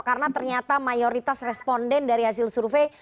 karena ternyata mayoritas responden dari hasil survei